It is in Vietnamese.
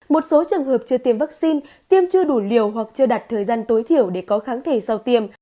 một số trường hợp chưa tiêm vaccine tiêm chưa đủ liều hoặc chưa đặt thời gian tối thiểu để có kháng thể sau tiêm